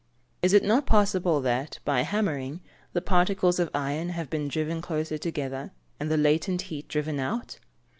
Is it not possible that, by hammering, the particles of iron have been driven closer together, and the latent heat driven out?